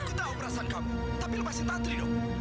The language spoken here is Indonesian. aku tahu perasaan kamu tapi lepaskan lantri dong